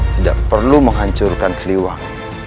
tidak perlu menghancurkan seliwang